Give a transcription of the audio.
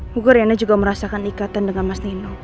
buko riana juga merasakan ikatan dengan mas nino